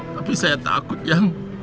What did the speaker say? tapi saya takut jang